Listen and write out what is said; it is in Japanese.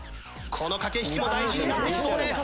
この駆け引きも大事になってきそうです。